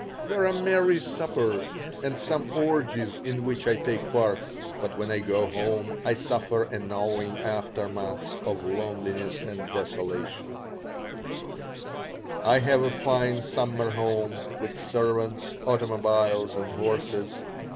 There are merry suppers, and some orgies in which I take part, but when I go home I suffer a gnawing aftermath of loneliness and desolation I have a fine summer home, with servants, automobiles, and horses.